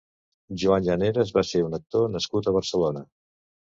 Joan Llaneras va ser un actor nascut a Barcelona.